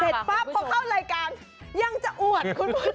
เสร็จป่ะเพลาเข้ารายการยังจะอวดคุณผู้ชม